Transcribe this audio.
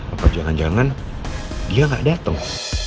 atau jangan jangan dia gak dateng